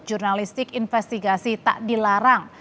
jurnalistik investigasi tak dilarang